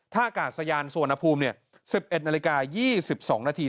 ถ้าอากาศสะยานสวนภูมิ๑๑นาฬิกา๒๒นาที